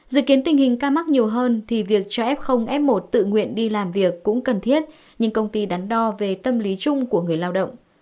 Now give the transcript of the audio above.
dự kiến tình hình ca mắc nhiều hơn thì việc cho f f một tự nguyện đi làm việc cũng cần thiết nhưng công ty đắn đo về tâm lý chung của người lao động